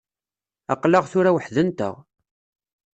Aql-aɣ tura weḥd-nteɣ.